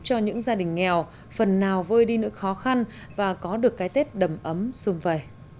cho những gia đình nghèo phần nào vơi đi nữa khó khăn và có được cái tết đầm ấm xuống về